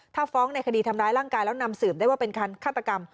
ถ้าฟ้องในคดีทำร้ายร่างกายแล้วนำสืบได้ว่าเป็นการฆาตกรรม